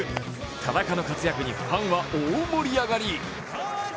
田中の活躍にファンは大盛り上がり。